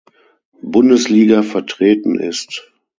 Bundesliga vertreten ist.